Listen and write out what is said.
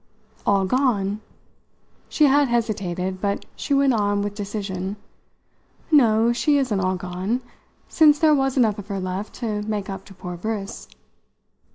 "All gone?" She had hesitated, but she went on with decision. "No, she isn't all gone, since there was enough of her left to make up to poor Briss."